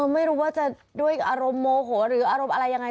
ไม่รู้ว่าจะด้วยอารมณ์โมโหหรืออารมณ์อะไรยังไง